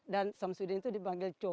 dan syamsuddin itu dipanggil co